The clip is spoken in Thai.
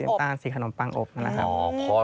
สีน้ำตาลสีขนมปังอบนั่นแหละครับ